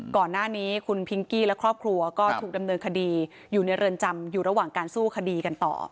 ก่อนหน้านี้คุณพิงกี้และครอบครัวก็ถูกดำเนินคดีอยู่ในเรือนจำอยู่ระหว่างการสู้คดีกันต่อ